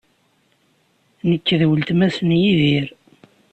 Nekk d weltma-s n Yidir.